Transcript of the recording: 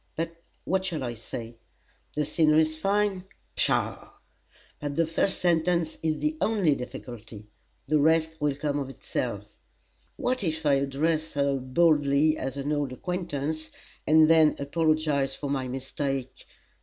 But what shall I say? 'The scenery's very fine?' Pshaw! But the first sentence is the only difficulty the rest will come of itself. What if I address her boldly as an old acquaintance, and then apologize for my mistake?